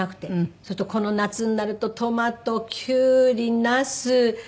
そうするとこの夏になるとトマトキュウリナスゴーヤー。